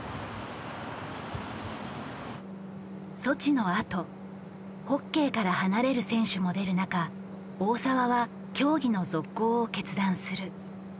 ソチのあとホッケーから離れる選手も出る中大澤は競技の続行を決断する。